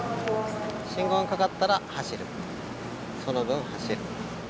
信号にかかったら走る、その分、走る。